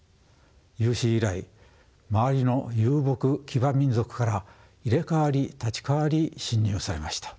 有史以来周りの遊牧騎馬民族から入れ代わり立ち代わり侵入されました。